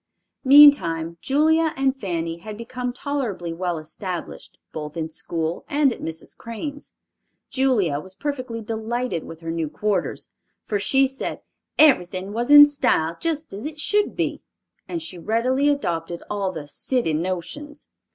Meantime Julia and Fanny had become tolerably well established both in school and at Mrs. Crane's. Julia was perfectly delighted with her new quarters, for she said "everything was in style, just as it should be," and she readily adopted all the "city notions."